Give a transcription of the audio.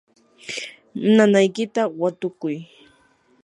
nanaykita watukuy.